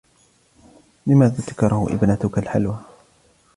لماذا تكره ابنتك الحلوى؟